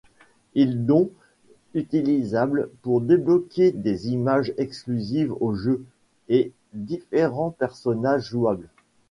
Ils dont utilisables pour débloquer des images exclusives au jeu, et différents personnages jouables.